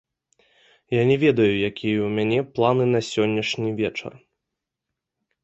Я не ведаю, якія ў мяне планы на сённяшні вечар.